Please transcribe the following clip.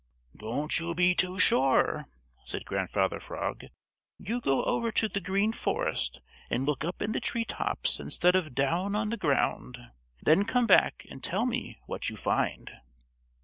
"Don't you be too sure," said Grandfather Frog. "You go over to the Green Forest and look up in the treetops instead of down on the ground; then come back and tell me what you find."